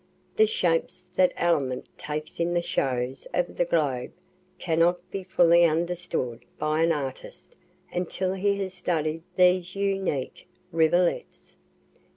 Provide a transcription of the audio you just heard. The shapes that element takes in the shows of the globe cannot be fully understood by an artist until he has studied these unique rivulets.